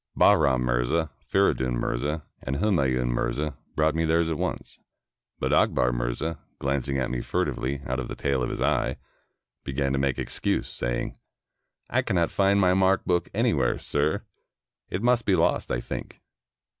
Bahram Mirza, Fcridun Mirza, and Humayim Mirza brought me theirs at once; but Akbar Mirza, glancing at me furtively out of the tail of his eye, began to make excuse, saying — "I cannot find my mark book anywhere, sir. It must be lost, I think."